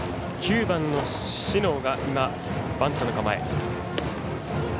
９番の小竹がバントの構え。